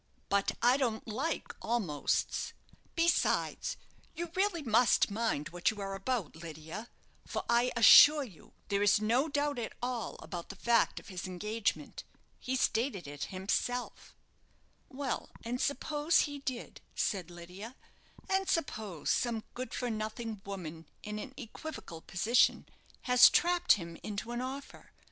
"But I don't like 'almosts.' Besides, you really must mind what you are about, Lydia; for I assure you there is no doubt at all about the fact of his engagement. He stated it himself." "Well, and suppose he did," said Lydia, "and suppose some good for nothing woman, in an equivocal position, has trapped him into an offer.